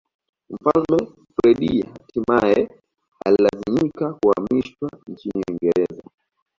Mfalme Freddie hatimae alilazimika kuhamishwa nchini Uingereza